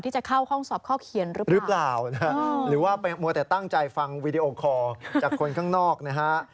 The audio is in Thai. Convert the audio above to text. จากคนข้างนอกนะฮะ